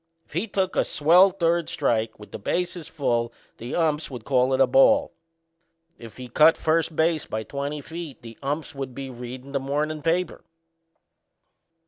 If he took a swell third strike with the bases full the umps would call it a ball. If he cut first base by twenty feet the umps would be readin' the mornin' paper.